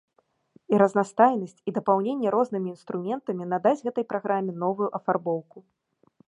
І разнастайнасць, і дапаўненне рознымі інструментамі надасць гэтай праграме новую афарбоўку.